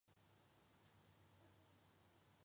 它们是南大西洋圣赫勒拿岛的特有种。